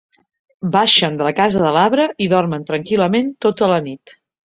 Baixen de la casa de l'arbre i dormen tranquil·lament tota la nit.